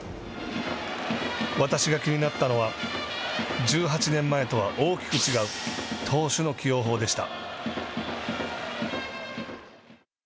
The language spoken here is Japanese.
私が気になったのは１８年前とは大きく違う投手の起用法でした。